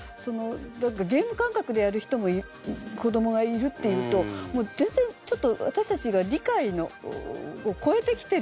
ゲーム感覚でやる人も子供がいるっていうともう全然ちょっと私たちの理解を超えてきてる。